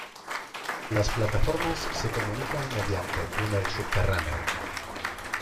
Las plataformas se comunican mediante túnel subterráneo.